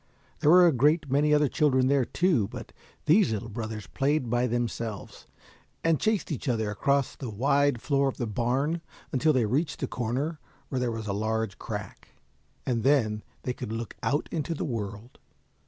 There were a great many other children there, too, but these little brothers played by themselves, and chased each other across the wide floor of the barn until they reached a corner where there was a large crack, and then they could look out into the world.